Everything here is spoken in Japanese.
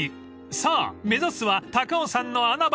［さあ目指すは高尾山の穴場］